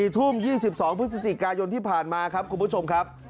๔ทุ่ม๒๒พฤศจิกายนที่ผ่านมาครับคุณผู้ชมครับ